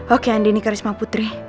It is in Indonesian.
oke andi ni karisma putri